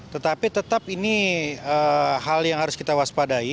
tetapi tetap ini hal yang harus kita waspadai